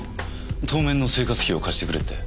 当面の生活費を貸してくれって。